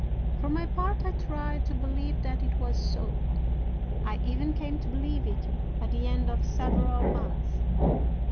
"'For my part, I tried to believe that it was so. I even came to believe it at the end of several months.